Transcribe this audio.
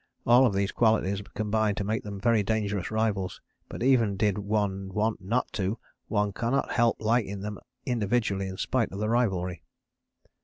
All these qualities combine to make them very dangerous rivals, but even did one want not to, one cannot help liking them individually in spite of the rivalry.